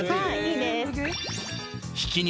いいです